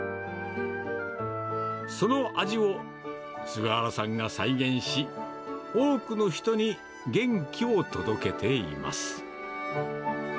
その味を、菅原さんが再現し、多くの人に元気を届けています。